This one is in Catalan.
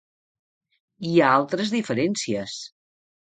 Hi ha altres diferències.